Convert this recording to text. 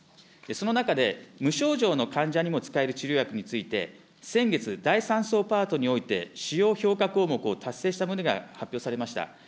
その中で、無症状の患者にも使える治療薬について、先月、第３層パートにおいて、使用評価項目を達成した旨が発表されました。